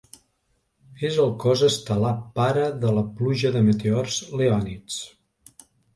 És el cos estel·lar pare de la pluja de meteors Leònids.